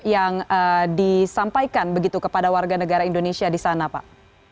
yang disampaikan begitu kepada warga negara indonesia di sana pak